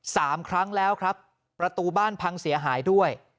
สามครั้งแล้วครับประตูบ้านพังเสียหายด้วย